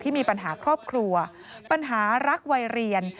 มีปัญหาครอบครัวปัญหารักวัยเรียน